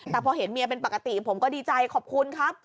แต่พอเห็นเมียเป็นปกติผมก็ดีใจขอบคุณครับ